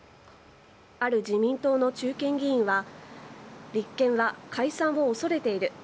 ある自民党の中堅議員は、立憲は解散を恐れている。